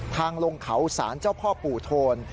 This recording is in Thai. ทางลงเขาศพปู่โทน